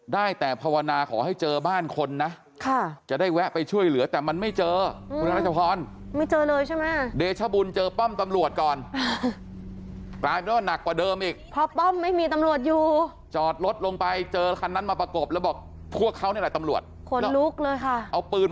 ได้แต่ภาวนาขอให้เจอบ้านคนนะจะได้แวะไปช่วยเหลือแต่มันไม่เจอ